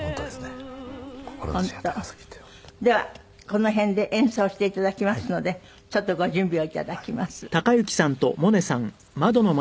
この辺で演奏していただきますのでちょっとご準備をいただきます。